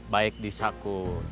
baik di saku